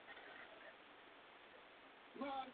Hlavní sídlo má v Londýně.